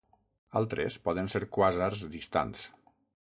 Altres poden ser quàsars distants.